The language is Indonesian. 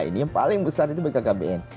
ini yang paling besar itu bkkbn